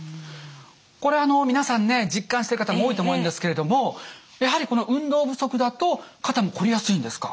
これあの皆さんね実感してる方も多いと思うんですけれどもやはりこの運動不足だと肩もこりやすいんですか？